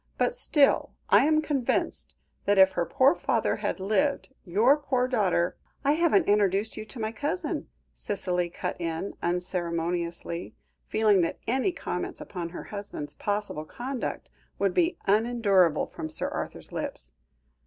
But still, I am convinced that if her poor father had lived, your poor daughter " "I haven't introduced you to my cousin," Cicely cut in unceremoniously, feeling that any comments upon her husband's possible conduct would be unendurable from Sir Arthur's lips.